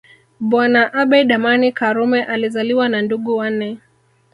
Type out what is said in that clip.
Bwana Abeid Amani Karume alizaliwa na ndugu wanne